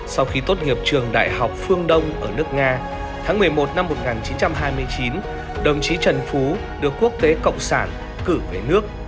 sau khi tốt nghiệp trường đại học phương đông ở nước nga tháng một mươi một năm một nghìn chín trăm hai mươi chín đồng chí trần phú được quốc tế cộng sản cử về nước